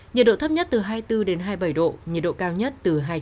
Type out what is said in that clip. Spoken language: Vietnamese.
nhiệt độ thấp nhất từ hai mươi bốn hai mươi bảy độ nhiệt độ cao nhất từ hai trăm linh độ